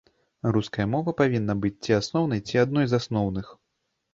Руская мова павінна быць ці асноўнай, ці адной з асноўных.